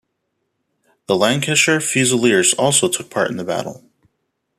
The Lancashire Fusiliers also took part in the battle.